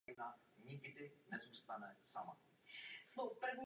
Jedná se o druh endemický pro ostrov Borneo v jihovýchodní Asii.